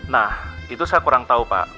nah itu saya kurang tahu pak